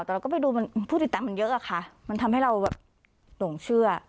แต่เราก็ไปดูมันผู้ติดตามมันเยอะอะค่ะมันทำให้เราแบบหลงเชื่อ